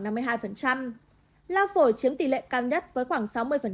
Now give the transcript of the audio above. lao phổi chiếm tỷ lệ cao nhất với khoảng sáu mươi